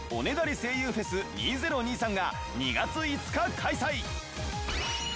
声優フェス２０２３が２月５日開催！